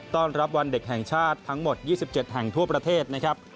ต้อนรับวันเด็กแห่งชาติทั้งหมด๒๗แห่งทั่วประเทศนะครับ